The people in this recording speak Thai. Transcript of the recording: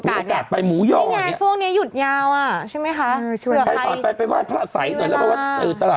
ปัไปผาใหม่ภาษาใสล่ะ